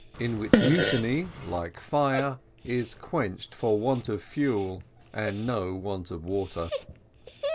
IN WHICH MUTINY, LIKE FIRE, IS QUENCHED FOR WANT OF FUEL AND NO WANT OF WATER.